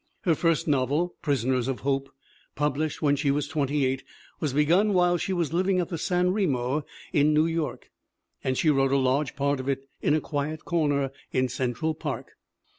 Her first novel, Prisoners of Hope, published when she was twenty eight, was begun while she was living at the San Remo in New York; and she wrote a large part of it in a quiet corner in Cen tral Park.